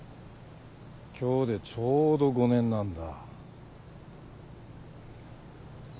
今日でちょうど５年なんだ。